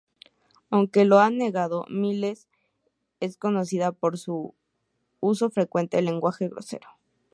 Aunque lo ha negado, Miles es conocida por su uso frecuente de lenguaje grosero.